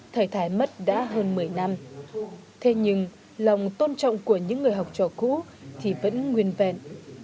thời thái mất đã hơn một mươi năm thế nhưng lòng tôn trọng của những người học trò cũ thì vẫn nguyên vẹn